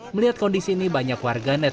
melihat kondisi ini banyak warga net